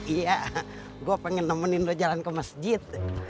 iya gue pengen nemenin lo jalan ke masjid